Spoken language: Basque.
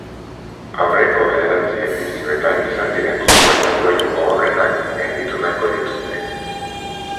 Aurreko bederatzi edizioetan izan diren joko eta duelu gogorrenak gainditu beharko dituzte.